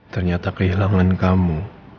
ternyata kehilangan kamu